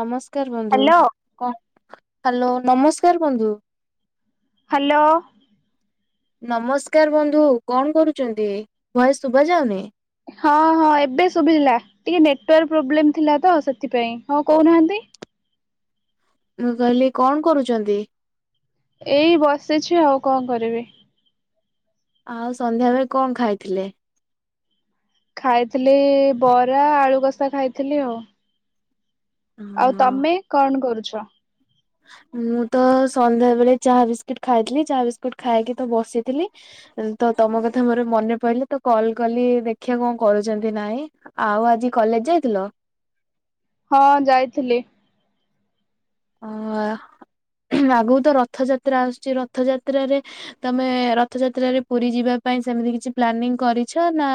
ନମସ୍କାର ବନ୍ଧୁ ହ୍ୟାଲୋ କଣ ହ୍ୟାଲୋ ନମସ୍କାର ବନ୍ଧୁ। ହ୍ୟାଲୋ ନମସ୍କାର ବନ୍ଧୁ କଣ କରୁଛନ୍ତି? ଭଏଶ ଶୁଭା ଯାଉନି ହଁ ହଁ ଏବେ ଶୁଭିିଲା ଟିକେ ନେଟୱାର୍କ ପ୍ରୋବ୍ଲେମ ଥିଲା ତ ସେଥିପାଇଁ ହଁ କହୁନାହାନ୍ତି। ମୁଁ କହିଲି କଣ କରୁଛନ୍ତି? ଏଇ ବସିଛି ଆଉ କଣ କରିବି। ଆଉ ସନ୍ଧ୍ୟାବେଳେ କଣ ଖାଇଥିଲେ? ଖାଇଥିଲେ ବରା ଆଳୁକଷା ଖାଇଥିଲି ଆଉ। ଆଉ ହଁ ତମେ କଣ କରୁଛ? ମୁଁ ତ ସନ୍ଧ୍ୟା ବେଳେ ଚାହା ବିସ୍କୁିଟ ଖାଇଥିଲି। ଚାହା ବିସ୍କୁିଟ ଖାଇକି ତ ବସିଥିଲି। ତ ତମ କଥା ମୋର ମନେ ପଡିଲେ ତୁ କଲ କଲି ଦେଖିବା କଣ କରୁଛନ୍ତି। ନାଇଁ ଆଉ ଆଜି କଲେଜ ଯାଇଥିଲ? ହଁ ଯାଇଥିଲି। ଅ ଆଗକୁ ତ ରଥଯାତ୍ରା ଆସୁଛି। ରଥଯାତ୍ରାରେ ତମେ ରଥଯାତ୍ରାରେ ପୁରୀ ଯିବା ପାଇଁ ସେମିତି କିଛି ପ୍ଲାନିଂ କରିଛ ନା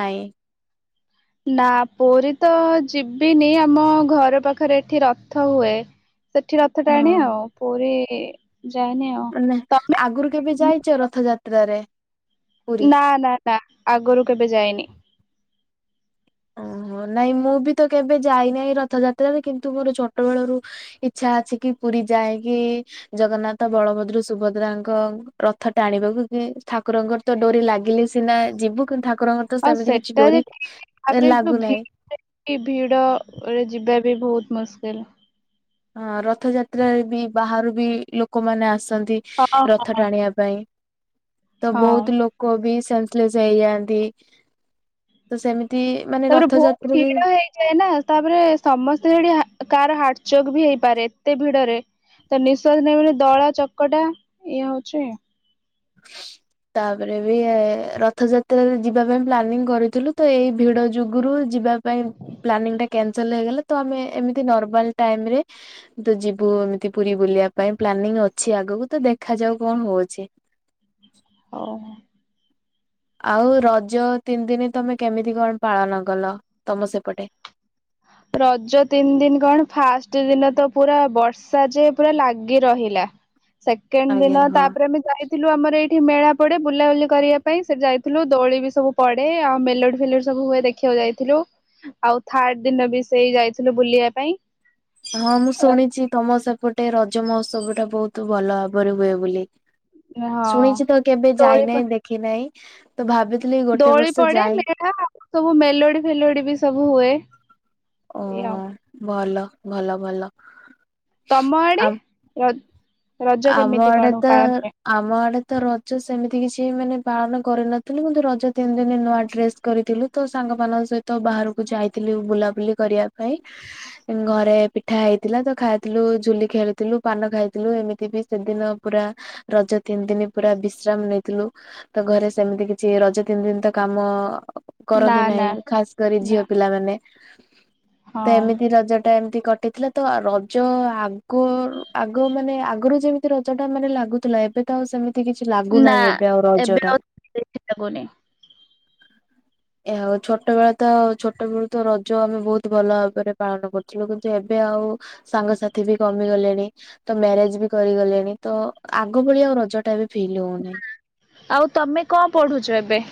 ନାଇଁ। ନା ପୁରୀ ତ ଯିବିନି ଆମ ଘର ପାଖରେ ଏଠି ରଥ ହୁଏ। ସେଠି ରଥ ହଁ ଟାଣେ ଆଉ ପୁରୀ ଯାଏନି ଆଉ। ତମେ ଆଗରୁ କେବେ ଯାଇଛ ରଥଯାତ୍ରାରେ। ପୁରୀ? ନା ନା ନା ଆଗରୁ କେବେ ଯାଇନି ଓହୋ ନାଇଁ ମୁଁ ବି ତ କେବେ ଯାଇନାହିଁ। ରଥଯାତ୍ରାରେ କିନ୍ତୁ ମୋର ଛୋଟବେେଳରୁ ଇଛା ଅଛି କି ପୁରୀ ଯାଏକି। ଜଗନ୍ନାଥ, ବଳଭଦ୍ର, ସୁଭଦ୍ରାଙ୍କ, ରଥ ଟାଣିବାକୁ କି ଠାକୁରଙ୍କର। ତ ଡୋରି ଲାଗିଲେ ସିନା ଯିବୁ କିନ୍ତୁ ଠାକୁରଙ୍କର ତ ଆଉ ସେମିତି କିଛି ସେଟା ଯେ ଡୋରି। ଠିକ୍ ତାପରେ ଯୋଉ ଲାଗୁନାହିଁ। ଭିଡ ଭିଡରେ ଯିବା ବି ବହୁତ ମୁସ୍କିଲ। ହଁ ରଥଯାତ୍ରାରେ ବି ବାହାରୁ ବି ଲୋକମାନେ ଆସନ୍ତି। ହଁ ରଥ ହଁ। ଟାଣିବା ପାଇଁ ତ ହଁ। ବହୁତ ଲୋକ କବି ସେନସ ହେଇଯାଆନ୍ତି ତ ସେମିତି ମାନେ ତାପରେ ବହୁତ ରଥଯାତ୍ରାରେ ଭିଡ ହେଇଛି। ଏନା ତାପରେ ସମସ୍ତେ ସେଠି କାହାର ହାର୍ଟ ଚକ୍ ବି ହେଇପାରେ ଏତେ ଭିଡରେ। ତ ନିଶ୍ୱାସ ନେଇହୋଉନି ଦଳାଚକଟା ଇଏ ହଉଛି। [unintelligible] ତାପରେ ବି ରଥଯାତ୍ରା ରେ ଯିବା ପାଇଁ ପ୍ଲାନିଂ କରିଥିଲୁ ତ ଏଇ ଭିଡ ଯୁଗୁରୁ ଯିବା ପାଇଁ ପ୍ଲାନି ଟା କ୍ୟାନସଲ ହେଇଗଲା ତ ଆମେ ଏମିତି ନର୍ମାଲ ଟାଇମରେ ତ ଯିବୁ ଏମିତି ପୁରୀ ବୁଲିବା ପାଇଁ ପ୍ଲାନିଂ ଅଛି ଆଗକୁ ତ ଦେଖା ଯାଉ କଣ ହଉଛି। [inaudible] ହଉ। ଆଉ ରଜ ତିନି ଦିନ ତମେ କେମିତି କଣ ପାଳନ କଲ ତମ ସେପଟେ? ରଜ ତିନି ଦିନ କଣ, ଫାଷ୍ଟ ଦିନ ତ ପୁରା ବର୍ଷା ଯେ ପୁରା ଲାଗି ରହିଲା। ସେକେଣ୍ଡ ଆଜ୍ଞା ଦିନ ହଁ। ତାପରେ ବି ଯାଇ ଥିଲୁ ଆମର ଏଇଠି ମେଳା ପଡେ, ବୁଲାବୁଲି କରିବା ପାଇଁ ସେଠ ଯାଇଥିଲୁ ଦୋଳି ବି ସବୁ ପଡେ ଆଉ ମେଲୋଡି ଫେଲୋଡି ସବୁ ହୁଏ ଦେଖି ଦେଖିବାକୁ ଯାଇଥିଲୁ ଆଉ ଥାର୍ଡ ଦିନ ବି ସେଇ ଯାଇଥିଲୁ ବୁଲିବା ପାଇଁ ହଁ ମୁଁ ଶୁଣିଛି ତମ ସେପଟେ ରଜ ମହୋତ୍ସବ ଟା ବହୁତ ଭଲ ଭାବରେ ହୁଏ ବୋଲି। ହଁ ଶୁଣିଛି ତ କେବେ ଦୋଳି ଯାଇନାହିଁ ଦେଖି ନାହିଁ ତ ଭାବିଥିଲି ଗୋଟେ ଦୋଳି ବର୍ଷ ପଡେ ଯାଏ। ମେଳା ସବୁ ମେଲୋଡି ଫେଲୋଡି ବି ସବୁ ହୁଏ। ଓ ଏ ଆଉ ଭଲ ଭଲ ଭଲ। ତମ ଆଡେ ଆଉ ରଜ ଆମ କେମିତି ଆଡେ କଣ ତ ପାଳନ ହୁଏ? ଆମ ଆଡେ ତ ରଜ ସେମିତି କିଛି ମାନେ ପାଳନ କରିନଥିଲୁ, କିନ୍ତୁ ରଜ ତିନି ଦିନ ନୂଆ ଡ୍ରେସ କରିଥିଲୁ। ତ ସାଙ୍ଗମାନଙ୍କ ସହିତ ବାହାରକୁ ଯାଇଥିଲୁ ବୁଲାବୁଲି କରିବା ପାଇଁ। ଘରେ ପିଠା ହେଇଥିଲା ତ ଖାଇଥିଲୁ ଝୁଲି ଖେଳୁଥିଲୁ ପାନ ଖାଇଥିଲୁ ଏମିତି। ବି ସେଦିନ ପୁରା ରଜ ତିନି ଦିନ ପୁରା ବିଶ୍ରାମ ନେଇଥିଲୁ। ତ ଘରେ ସେମିତି କିଛି ରଜ ତିନି ଦିନ ତ କାମ ନା କରନ୍ତି ନାହିଁ ନା ଖାସ କରି ନା ଝିଅ ପିଲା ମାନେ। ତ ହଁ। ଏମିତି ରଜ ଏମତି କଟିଥିଲା ତ ରଜ ଆଗରୁ ଆଗ ମାନେ ଆଗ ଆଗରୁ ଯେମିତି ରଜ ଟା ମାନେ ଲାଗୁଥିଲା ଏବେ ତ ଆଉ ସେମିତି ଏ କିଛି ନା ଲାଗୁନାହିଁ ଏବେ ଆଉ ରଜ ଏବେ ଟା। ଆଉ କିଛି ଲାଗୁନି ଏହାଉ ଛୋଟବେଳ ତ ଛୋଟବେଳୁ ତ ରଜ ଆମେ ବହୁତ ଭଲ ଭାବରେ ପାଳନ କରୁଥିଲୁ, କିନ୍ତୁ ଏବେ ଆଉ ସାଙ୍ଗସାଥି ବି କମି ଗଲେଣି ତ ମ୍ୟାରେଜ ବି କରିଗଲେଣି ତ ଆଗ ଭଳିଆ ଆଉ ରଜ ଟା ବି ଫିଲ୍ ହଉନାହିଁ। ଆଉ ତମେ କଣ ପଢୁଚ ଏବେ?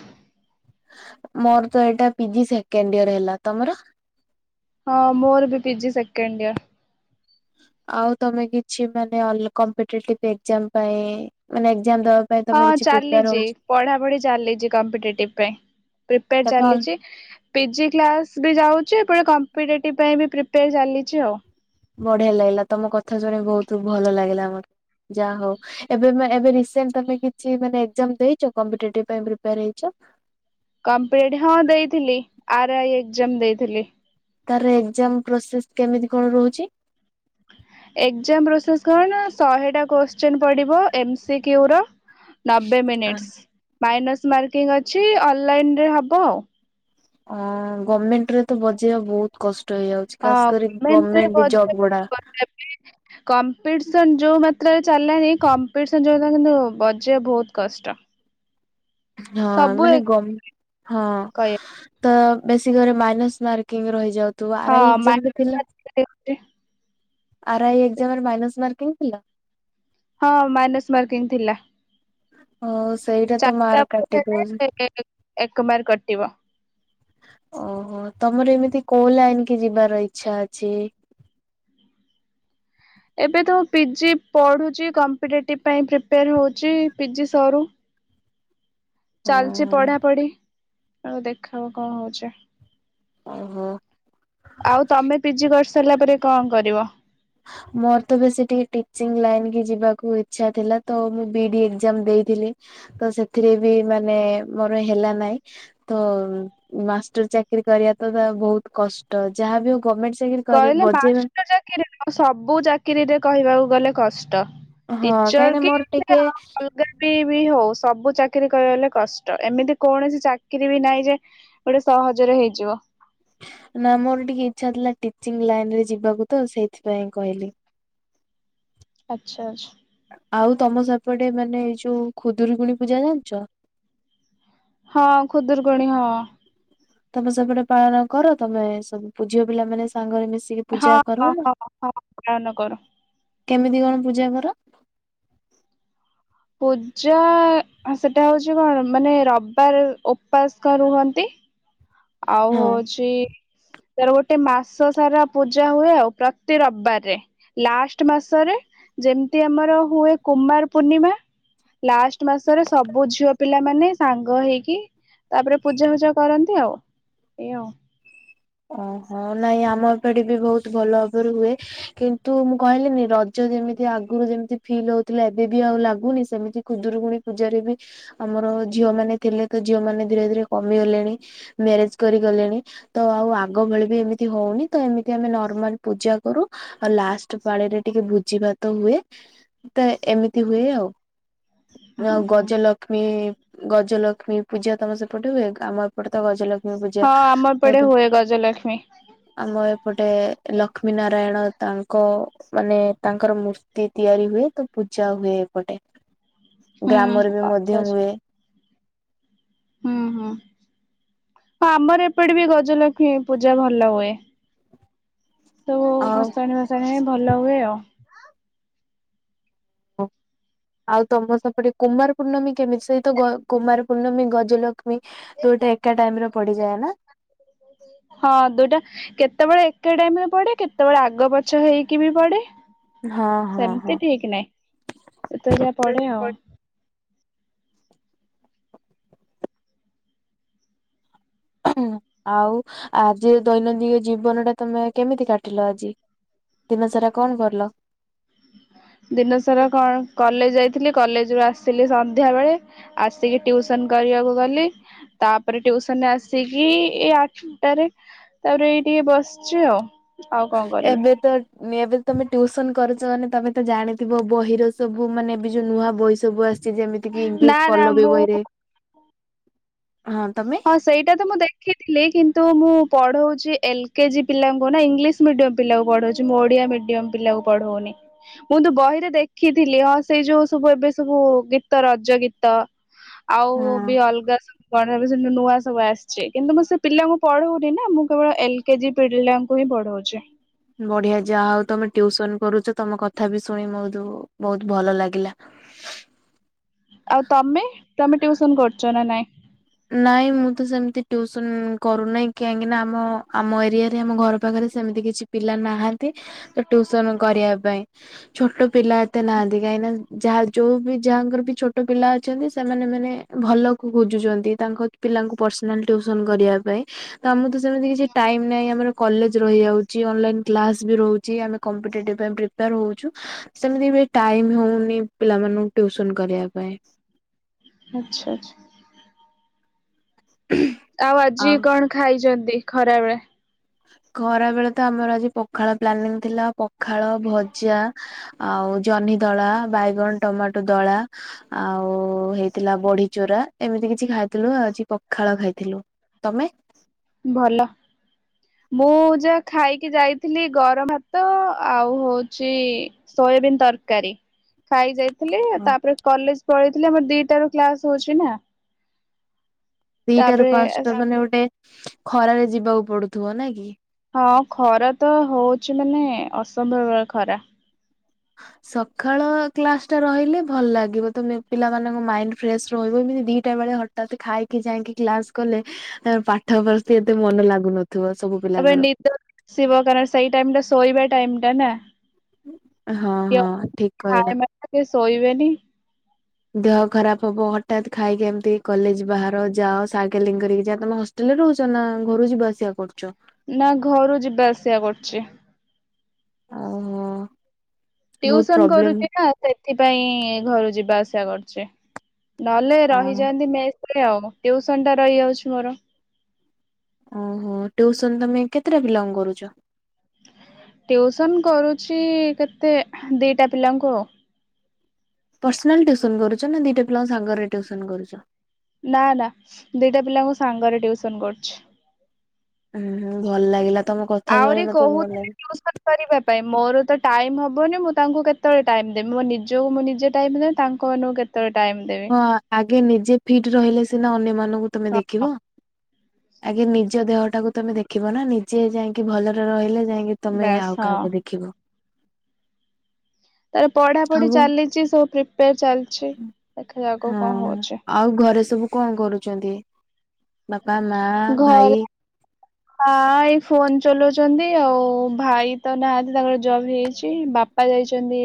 ମୋର ତ ଏଇଟା ପିଜି ସେକେଣ୍ଡ ଇୟର ହେଲା ତମର? ହଁ ମୋର ବି ପିଜି ସେକେଣ୍ଡ ଇୟର। ଆଉ ତମେ କିଛି ମାନେ ଅଲ କମପିଟେଟିଭ ଏକ୍ସ୍ରାମ ପାଇଁ ମାନେ ଏକଯାମ୍ ଦବା ପାଇଁ ତମେ ହଁ କିଛି ପ୍ରିପେୟାର ଚାଲିଚି ହଉଚ ପଢାପଢି ଚାଲିଚି କମ୍ପିଟେଟିଭ ପାଇଁ। ପ୍ରିପେର ତାପରେ ଚାଲିଛି। ପିଜି କ୍ଲାସ ବି ଯାଉଚି, ଏପଟେ କମ୍ପିଟେଟିଭ ପାଇଁ ବି ପ୍ରିପେୟାର ଚାଲିଚି ଆଉ। ବଢିଆ ଲାଗିଲା ତମ କଥା ଶୁଣି ବହୁତ ଭଲ ଲାଗିଲା, ଆମର ଯାହା ହଉ। ଏବେ ଏବେ ରିସେଣ୍ଟେ ତମେ କିଛି ମାନେ ଏକଜାମ୍ ଦେଇଚ କମ୍ପିଟେଟିଭି ପାଇଁ ପ୍ରିପେର ହେଇଚ? କମ୍ପଟେଟିଭ ହଁ ଦେଇଥିଲି ଆର ଆଇ ଏକଜାମ ଦେଇଥିଲି। ତାର ଏକ୍ଜାମ ପ୍ରୋସେସ କେମିତି କଣ ରହୁଚି? ଏକ୍ଜାମ ପ୍ରୋସେସ୍ କଣ ଶହେଟା କୋଶ୍ଚନ୍ ପଡ଼ିବ ଏମ ସି କ୍ୟୁ ର। ନବେ ଅ ମିନିଟ୍ସ୍ ମାଇନସ୍ ମାର୍କିଂ ଅଛି ଅନଲାଇନରେ ହବ ଆଉ। ଅହୋ ଗମେଣ୍ଟ ରେ ତ ବଜେଇବା ବହୁତ କଷ୍ଟ ହେଇଯାଉଚି। ହଁ ଗମେଣ୍ଟରେ ବଜେଇବା [unintelligible] କମ୍ପିଟିସନ ଯୋଉ ମାତ୍ରାରେ ଚାଲିଲାନି କମ୍ପିଟିସନ ଯୋଉମନେ କିନ୍ତୁ ବଜେଇବା ବହୁତ କଷ୍ଟ। ହଁ ସବୁ ଏ ମାନେ ଗମ ହଁ। କହେ ତ ବେଶୀ ଘରେ, ମାଇନସ୍ ମାର୍କିଙ୍ଗ ରହିଯାଉଥିବ। ଆର ଆଇ ହଁ ଏକଜାମ୍ ଥିଲା। ମାଇନସ ଆର ଆଇ ଏକଜାମରେ ମାଇନସ୍ ମାର୍କିଂ ଥିଲା? ହଁ, ମାଇନସ୍ ମାର୍କିଂ ଥିଲା। ହଁ ସେଇଟା ତ ଚାରିଟା ମାର୍କ କାଟି ଦଉଚନ୍ତି। ହେଲେ ଏକ ମାର୍କ କଟିବ। ଓହୋ। ତମର ଏମିତି କୋଉ ଲାଇନ କି ଯିବାର ଇଚ୍ଛା ଅଛି? ଏବେ ତ ପିଜି ପଢ଼ୁଚି କମ୍ପିଟେଟିଭ୍ ପାଇଁ ପ୍ରିପେୟାର ହଉଚି। ପିଜି ସରୁ। ଚାଲିଚ ହଁ ପଢା ପଢି। ଆଉ ଦେଖା ହବ କଣ ହଉଚି। ଓହୋ। ଆଉ ତମେ, ପିଜି କରିସାରିଲା ପରେ କଣ କରିବ? ମୋର ତ, ବେଶୀ ଟିକେ ଟିଚିଂ ଲାଇନ କି ଯିବାକୁ ଇଛା ଥିଲା। ତ ମୁଁ ବି ଡି ଏକଜାମ ଦେଇଥିଲି। ତ ସେଥିରେ ବି, ମାନେ ମୋର ହେଲା ନାଇଁ। ତ ମାଷ୍ଟର ଚାକିରୀ କରିବା ତ ତା ବହୁତ କଷ୍ଟ। ଯାହାବି ହଉ ଗମେଣ୍ଟ ଚାକିରି କହିଲେ ମାଷ୍ଟର ଚାକିରି ନୁହଁ। ସବୁ ଚାକିରିରେ କହିବାକୁ ଗଲେ କଷ୍ଟ। ହଁ ଟିଚର କାହିଁକି ନା କି ମୋର ଟିକେ ଆଉ ଟି ବି ବି ହଉ, ସବୁ ଚାକିରୀ କରିବଲେ କଷ୍ଟ। ଏମିତି କୌଣସି ଚାକିରୀ ବି ନାହିଁ ଯେ ଗୋଟେ ସହଜରେ ହେଇଯିବ। ନା ମୋର ଟିକେ ଇଚଛା ଥିଲା, ଟିଚିଂ ଲାଇନ ରେ ଯିବାକୁ ତ। ସେଇଥିପାଇଁ କହିଲି। [inaudible] ଆଚ୍ଛା ଆଛ। ଆଉ ତମ ସପଟେ, ମାନେ ଏଇ ଯୋଉ ଖୁଦୁୁରୀକୁୁଣି ପୂଜା ଜାଣିଚ? ହଁ, ଖୁଦୁରକୁଣୀ। ହଁ। ତମେ ସେପଟେ ପାଳନ କର ତମେ ସବୁ ଝିଅ ପିଲା ମାନେ, ସାଙ୍ଗହେଇକି ମିଶିକି ହଁ, ପୂଜା କର ହଁ, ନା? ହଁ, ହଁ ପାଳନ କରୁ। କେମିତି କଣ ପୂଜା କର? ପୂଜା। ସେଟା ହଉଛି କଣ? ମାନେ ରବିବାର ଉପାସ କ ରୁହନ୍ତି। ଆଉ ହଁ ହଉଛି ତାର ଗୋଟେ, ମାସ ସାରା ପୂଜା ହୁଏ ଆଉ। ପ୍ରତି ରବିବାରରେ। ଲାଷ୍ଟ ମାସରେ। ଯେମିତି ଆମର ହୁଏ କୁମାର ପୂର୍ଣ୍ଣିମା ଲାଷ୍ଟ ମାସରେ ସବୁ ଝିଅ ପିଲା ମାନେ, ସାଙ୍ଗ ହେଇକି ତାପରେ ପୂଜା ଫୁଜା କରନ୍ତି ଆଉ। ଏଇ ଆଉ ଓହୋ। ନାଇଁ ଆମ ଏପଠେ ବି, ବହୁତ ଭଲ ଭାବରେ ହୁଏ। କିନ୍ତୁ ମୁଁ କହିଲିିନି, ରଜ ଯେମିତି ଆଗରୁ ଯେମିତି ଫିଲ୍ ହଉଥିଲା। ଏବେ ବି ଆଉ ଲାଗୁନି। ସେମିତି ଖୁଦୁରୁକୁୁଣୀ ପୂଜାରେ ବି, ଆମର ଝିଅ ମାନେ ଥିଲେ। ତ ଝିଅ ମାନେ ଧୀରେ ଧୀରେ କମିଗଲେଣି ମ୍ୟାରେଜ କରି ଗଲେଣି। ତ ଆଉ ଆଗ ଭଳି ବି ଏମିତି ହଉନି। ତ ଏମିତି ଆମେ ନର୍ମାଲ ପୂଜା କରୁ ଆଉ ଲାଷ୍ଟ ପାଣିରେ ଟିକେ ଭୋଜି ଭାତ ହୁଏ। ତ ଏମିତି ହୁଏ ଆଉ। ହୁଁ ଆଉ, ହୁଁ। ଗଜଲ ଲକ୍ଷ୍ମୀ ଗଜଲକ୍ଷ୍ମୀ ପୂଜା ତମ ସେପଟେ ହୁଏ ଆମ ଏପଟେ ତ ଗଜଲକ୍ଷ୍ମୀ ପୂଜା ହଁ। ଆମର ବହୁତ ଏପଡେ ହୁଏ ଗଜଲକ୍ଷ୍ମୀ ଆମ ଏପଟେ ଲକ୍ଷ୍ମୀ ନାରାୟଣ, ତାଙ୍କ ମାନେ ତାଙ୍କର ମୂର୍ତ୍ତି ତିଆରି ହୁଏ। ତ ପୂଜା ହୁଏ ଏପଟେ। ହୁଁ ଗ୍ରାମରେ ବି ଆଚ୍ଛା ମଧ୍ୟ ଆଚ୍ଛା ହୁଏ। ହୁଁ, ହୁଁ। ଆମର ଏପଟେ ବି ଗଜଲକ୍ଷ୍ମୀ ପୂଜା ଭଲ ହୁଏ। ସବୁ ଆଉ ଭସାଣି ଫସାଣି ଭଲ ହୁଏ ଆଉ ହଁ। ଆଉ ତମ ସେପଟେ କୁମାର ପୂର୍ଣ୍ଣମୀ କେମିତି? ସହିତ କୁମାର ପୂର୍ଣ୍ଣମୀ ଗଜଲକ୍ଷ୍ମୀ ଦୁଇଟା ଏକା ଟାଇମରେ ପଡିଯାଏ ନା? ହଁ। ଦୁଇଟା କେତେବେଳେ ଏକେ ଟାଇମରେ ପଢେ। କେତେବେଳେ ଆଗ ପଛ ହେଇକି ବି ପଡେ। ହଁ ହଁ ସେମିତି ହଁ। ଠିକ ନହିଁ। ଯେତେବେଳେଆ ପଡେ ଆଉ ଆଉ ଆଜି ଦୈନନ୍ଦିନ ଜୀବନ ଟା, ତମେ କେମିତି କାଟିଲ ଆଜି ଦିନ ସାରା କଣ କରଲ ଦିନସାରା କଣ କଲେଜ ଯାଇଥିଲି କଲେଜ ରୁ ଆସିଲି ସନ୍ଧ୍ୟା ବେଳେ ଆସିକି ଟ୍ୟୁସନ କରିବାକୁ ଗଲି ତାପରେ ଟ୍ୟୁସନରେ ଆସିକି ଏଇ ଆଠଟାରେ ତାପରେ ଏଇ ଟିକେ ବସ ଛି ଆଉ ଆଉ କଣ କରିବି? ଏବେ ତ ଏବେ ତମେ ଟ୍ୟୁସନ କରୁଛ ମାନେ ତମେ ତ ଜାଣିଥିବ ବହିର ସବୁ ମାନେ ଏବେ ଯୋଉ ନୂଆ ବହିସ ସବୁ ଆସିଛି ଯେମିତି କି ଇଂଲିଶ ନା ନା ପଲ ବି ମୁଁ ବହିରେ ହଁ ତମେ ହଁ ସେଇଟା ତ ମୁଁ ଦେଖିଥିଲି କିନ୍ତୁ ମୁଁ ପଢଉଛି ଏଲ କେଜି ପିଲାଙ୍କୁ ନା ଇଂଲିଶ ମିଡିୟମ୍ ପିଲାକୁ ପଢଉଛି ମୁଁ ଓଡିଆ ମିଡିୟମ ପିଲାକୁ ପଢଉନି ମୁଁ ତୁ ବହିରେ ଦେଖିଥିଲି ହଁ ସେଇ ଯୋଉ ସବୁ ଏବେ ସବୁ ଗୀତ ରଜ ଗୀତ ହଁ ଆଉ ବି ଅଲଗା କଣ ନୂଆ ସବୁ ଆସିଛି କିନ୍ତୁ ମୁଁ ସେ ପିଲାଙ୍କୁ ପଢଉନି ନା ମୁଁ କେବଳ ଏଲ କେ ଜି ପିଲାଙ୍କୁ ହିଁ ପଢଉଛି ବଢିଆ ଯାହା ହଉ ତମେ ଟ୍ୟୁସନ କରୁଛ ତମ କଥା ବି ଶୁଣି ବହୁତ ବହୁତ ଭଲ ଲାଗିଲା ଆଉ ତମେ ତମେ ଟ୍ୟୁଉସନ କରୁଛ ନା ନାଇଁ? ନାଇଁ ମୁଁ ତ ସେମତି ଟ୍ୟୁସନ କରୁନାହିଁ କାହିଁକି ନା ଆମ ଆମ ଏରିଆରେ ଆମ ଘର ପାଖରେ ସେମିତି କିଛି ପିଲା ନାହାନ୍ତି ତ ଟ୍ୟୁସନ କରିବା ପାଇଁ ଛୋଟ ପିଲା ଏତେ ନାହାନ୍ତି କାହିଁକିନା ଯାହା ଯୋଉ ବି ଯାହାଙ୍କର ବି ଛୋଟ ପିଲା ଅଛନ୍ତି ସେମାନେ ମାନେ ଭଲ କୁ ଖୋଜୁଛନ୍ତି ତାଙ୍କ ପିଲାଙ୍କୁ ପର୍ସନାଲ ଟ୍ୟୁସନ କରିବା ପାଇଁ ତ ଆମ ତ ସେମିତି କିଛି ଟାଇମ୍ ନହିଁ ଆମର କଲେଜ ରହିଯାଉଛି ଅନଲାଇନ କ୍ଲାସ ବି ରହୁଛି ଆମେ କମ୍ପିଟେଟିଭ୍ ପାଇଁ ପ୍ରି ପ୍ରିପେୟାର ହଁଉଛୁ ସେମିତି ଵି ଟାଇମ୍ ହଉନି ପିଲାମାନଙ୍କୁ ଟ୍ୟୁସନ କରିବା ପାଇଁ ଆଛା ଆଛା। ଆଉ ଆଜି କଣ ଖାଇଛନ୍ତି ଖରାବେେଳେ? ଖରା ବେଳେ ତ ଆମର ଆଜି ପଖାଳ ପ୍ଲାନିଂ ଥିଲା, ପଖାଳ ଭଜା ଆଉ ଜହ୍ନି ଦଳା ବାଇଗଣ ଟମାଟୋ ଦଳା। ଆଉ ହେଇଥିଲା ବଡି ଚୋରା ଏମିତି କିଛି ଖାଇଥିଲୁ, ଆଜି ପଖାଳ ଖାଇଥିଲୁ। ତମେ? ଭଲ ମୁଁ ଯାହା ଖାଇକି ଯାଇଥିଲି ଗରମ ଭାତ ଆଉ ହଉଚି ସୋୟବିନ୍ ତରକାରୀ, ଖାଇଯାଇ ଉ ତାପରେ କଲେଜ ପଳେଇଥିଲେ ଆମର ଦିଟ ର କ୍ଲାସ ହୋଉଚି ନା। ଦିଟା ର ତାପରେ ପାଞ୍ଚଟା ମାନେ ଗୋଟେ ଖରାରେ ଯିବାକୁ ପଡୁଥିବ କି। ହଁ ଖରା ତ ହଉଛି ମାନେ ଅସମ୍ଭବ ଖରା। ସକାଳ କ୍ଲାସ ଟା ରହିଲେ ଭଲ ଲାଗିବ ତ ପିଲାମାନଙ୍କ ମାଇଣ୍ଡ ଫ୍ରେଶସ୍ ରହିବ ଏମିତି ଦି କେତେବେଳେ ହଠାତ ଖାଇକି ଯାଇକି କ୍ଲାସ କଲେ ପାଠ ପଢି ଏତେ ମନ ଲାଗୁନ [unintelligible] ତାପରେ ନିଦ ଆସିବ କାର ସେଇ ଟାଇ ଟା ଶୋଇବା ଟାଇ ଟା ନା। ହଁ ହଁ ଠିକ କହିଲା। ବେ ଶୋଇବେନି ଦେହ ଖରାପ ହବ ହଠତ୍ ଖାଇକି ଏମିତି କଲେଜ ବାହାର ଯାଅ ସାଇକେଲିଂ କରିକି ଯାଅ ତମ ରହୁଚ ନା ଘରୁ ଯିବା ଆସିବା କରୁଚ? ନା ଘରୁ ଯିବା ଆସିବା କରୁଛି। ଓହୋ। ବହୁତ ଟ୍ୟୁସନ ପ୍ରୋବ୍ଲେମ କରୁଛି ନା ସେଥିପାଇଁ ଘରୁ ଯିବା ଆସିବା କରୁଚି। ନହେଲେ ଓ ରହିଯାନ୍ତି ମେସ୍ ରେ ଆଉ ଟିଉସନ ଟା ରହିଯାଉଛି ମୋର। ଟିଉସନ ତମେ କେତେଟା ବିଲଙ୍ଗ କରୁଚ? ଟିଉସନ୍ କରୁଛି କେତେ ଦୁଇଟା ପିଲାଙ୍କୁ ଆଉ। ପର୍ସନାଲସନ କରୁଚ ନା ଦିଟା ପିଲାଙ୍କ ସାଙ୍ଗରେସନ କରୁଚ? ନା ନା ଦିଟା ପିଲାଙ୍କୁ ସାଙ୍ଗରେ ଟିଉସନ କରୁଛି। ହୁଁ ହୁ ଭଲ ଲାଗିଲା ତମ କ ଆହୁରି କହୁଥିଲେ ଟିୟୁସନ୍ କରିବା ପାଇଁ ମୋର ତ ଟାଇମ ହବନି ମୁଁ ତାଙ୍କୁ କେତେବେଳେ ଟାଇମ ଦେବି, ମୋ ନିଜକୁ ମୁଁ ନିଜେ ଟାଇମ ଦେବି ତାଙ୍କମାନଙ୍କୁ କେ କେତେଳେ ଟାଇମ୍ ଦେବି। ହ ଆଗେ ନିଜେ ଫିଟ ରହିଲେ ସିନା ଅନ୍ୟମାନଙ୍କୁ ତମେ ହଁ ଦେଖିବ। ଆଜ୍ଞେ ନିଜ ଦେହ ଟାକୁ ତମେ ଦେଖିବ ନା ନିଜେ ଯାଇକି ଭଲରେ ରହିଲେ ଯାଇକି ତମେ ବାସ୍ ଆଉ ହଁ କାହାକୁ ଦେଖିବ। ତାର ପଢା ପଢି ଆଉ ଚାଲିଚି ସବୁ ପ୍ରିପ୍ରାର ଚାଲିଚି। ହଁ ଆଉ ଘରେ ସବୁ କଣ କରୁଛନ୍ତି? ବାପା ମା ଭାଇ ହଁ ଏଇ ଫୋନ ଚଲଉଛନ୍ତି, ଆଉ ଭାଇ ତ ନାହାନ୍ତି ତାଙ୍କର ଜବ ହେଇଛି ବା ପା ଯାଇଛନ୍ତି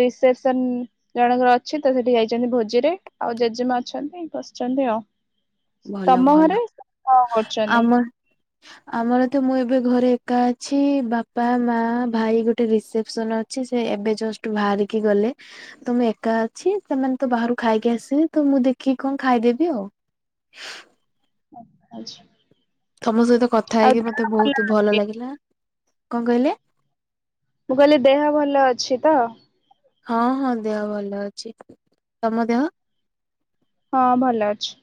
ରିସେପସେନ ଜଣଙ୍କର ଅଛି ତ ସେଠି ଯାଇଛନ୍ତି ଭୋଜିରେ, ଆଉ ଜେଜେମା ଅଛନ୍ତି ବସିଛନ୍ତି ଆଉ। ଭଲ ତମ ଭଲ। ଘରେ କଣ କରୁଛନ୍ତି? ଆମ ଆମର ତ ମୁଁ ଏବେ ଘରେ ଏକା ଅଛି, ବାପା ମା ଭାଇ ଗୋଟେ ରିସେପସନ ଅ ଛି ସେ ଏବେ ଜଷ୍ଟ ବାହାରିକି ଗଲେ। ତମ ଏକା ଅଛି ସେମାନେ ତ ବାହାରୁ ଖାଇକି ଆସିବେ ତ ମୁଁ ଦେଖିକି କଣ ଖାଇଦେବି ଆଉ। ଆଚ୍ଛା। ତମ ସହିତ କଥା ହେଇକି ମତେ ବହୁତ ଭଲ ଲାଗିଲା। କଣ କହିଲେ? ମୁଁ କହିଲି ଦେହ ଭଲ ଅଛି ତ? ହଁ ହଁ ଦେହ ଭଲ ଅଛି। ତମ ଦେହ? ହଁ ଭଲ ଅଛି।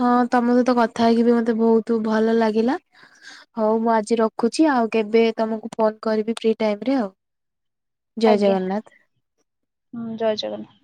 ହଁ ତମ ସହିତ କଥା ହେଇକି ବି ମତେ ବହୁତୁ ଭଲ ଲାଗିଲା। ହଉ ମୁଁ ଆଜି ରଖୁଛି ଆଉ କେବେ ତମକୁ ଫୋନ କରିବି ଫ୍ରି ଟାଇମରେ ଆଉ। ଜୟ ଆଜ୍ଞା ଜଗନ୍ନାଥ। ହୁଁ ଜୟ ଜଗନ୍ନାଥ।